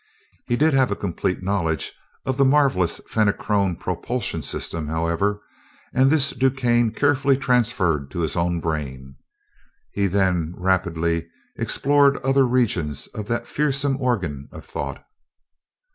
He did have a complete knowledge of the marvelous Fenachrone propulsion system, however, and this DuQuesne carefully transferred to his own brain. He then rapidly explored other regions of that fearsome organ of thought.